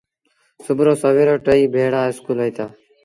سڀو رو سويرو ٽئيٚ ڀيڙآ اسڪول وهيٚتآ۔